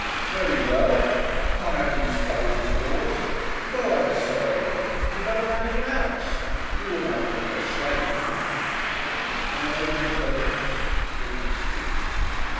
Very well! I can't 'ave you scrubbin' floors. You got to 'ave a servant and you got to manage a 'ouse. You wouldn't 'ave me ashamed " Ann opened her lips and did not speak.